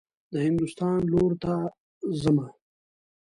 د هندوستان لور ته حمه.